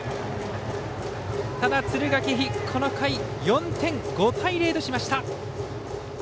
敦賀気比、この回４点５対０としました。